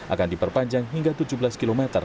akan diperpanjang hingga tujuh belas km